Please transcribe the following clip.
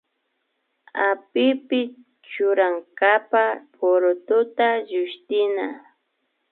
Apipi churankapa purututa llushtina